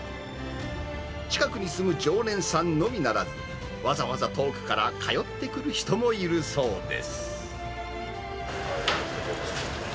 近くに住む常連さんのみならず、わざわざ遠くから通ってくる人もいるそうです。